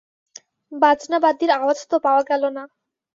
বাজনাবাদ্যির আওয়াজ তো পাওয়া গেল না।